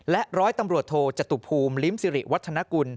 ร้อยตำรวจโทจตุภูมิลิ้มสิริวัฒนกุล